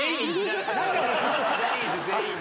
ジャニーズ全員に。